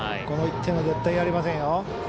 この１点を絶対やれませんよ。